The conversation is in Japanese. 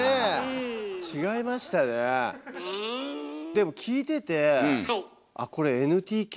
でも聞いててあっこれＮＴＫ！